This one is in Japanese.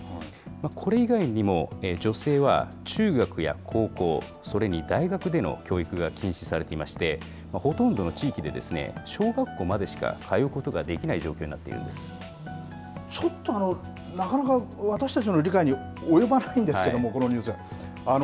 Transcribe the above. これ以外にも、女性は中学や高校、それに大学での教育が禁止されていまして、ほとんどの地域で小学校までしか通うことができない状況になってちょっと、なかなか私たちの理解に及ばないんですけれども、このニュース。